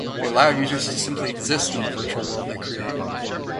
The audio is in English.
They allow the users to simply exist in the virtual world they create.